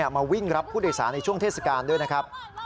มาวิ่งรับผู้โดยสารในช่วงเทศกาลด้วยนะครับ